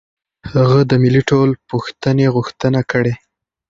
هغه د ملي ټولپوښتنې غوښتنه کړې.